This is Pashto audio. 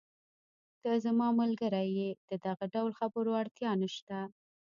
ته زما ملګری یې، د دغه ډول خبرو اړتیا نشته.